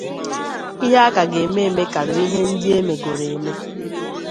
ihe a ka ga-eme eme karịrị ihe ndị e megoro eme